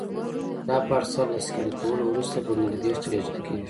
دا پارسل له سکن کولو وروسته بنګلادیش ته لېږل کېږي.